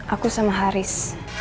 aku sama haris